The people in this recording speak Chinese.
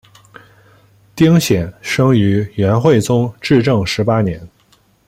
丁显生于元惠宗至正十八年。